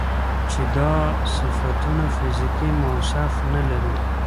چې دا صفتونه فزيکي موصوف نه لري